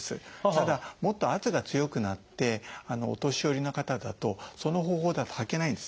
ただもっと圧が強くなってお年寄りの方だとその方法だとはけないんですね。